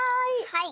はい！